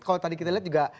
kalau tadi kita lihat juga